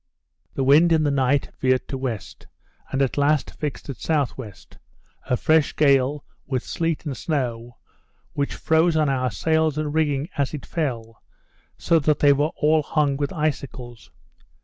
The wind in the night veered to west, and at last fixed at S.W., a fresh gale, with sleet and snow, which froze on our sails and rigging as it fell, so that they were all hung with icicles.